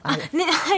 はい。